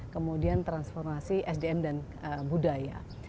kemudian transformasi sdm dan budaya